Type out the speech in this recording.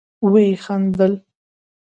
ويې خندل.